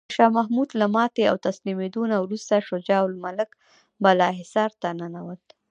د شاه محمود له ماتې او تسلیمیدو نه وروسته شجاع الملک بالاحصار ته ننوت.